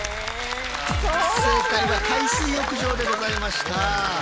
正解は海水浴場でございました。